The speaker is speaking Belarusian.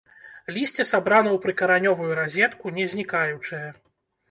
Лісце сабрана ў прыкаранёвую разетку, не знікаючае.